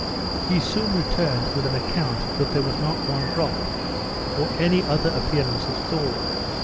He soon returned with an account that there was not one drop, or any other appearance of thaw.